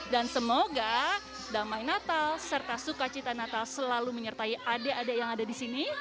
dan semoga damai natal serta sukacita natal selalu menyertai adik adik yang ada disini